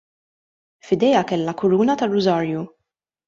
F'idejha kellha kuruna tar-rużarju.